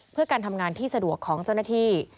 เพื่อการทำงานที่สะดวกของเจ้าหน้าที่